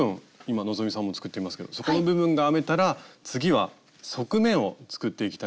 今希さんも作っていますけど底の部分が編めたら次は側面を作っていきたいと思います。